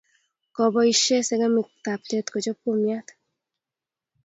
Kopaishe segemik taptet kochop kumiat